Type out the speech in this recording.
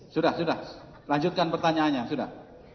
sudah sudah lanjutkan pertanyaannya sudah